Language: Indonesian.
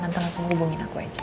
nanti langsung hubungin aku aja